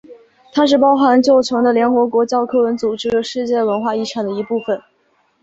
它是包含旧城的联合国教科文组织世界文化遗产的一部分。